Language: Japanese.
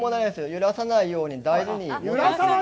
揺らさないように大事に。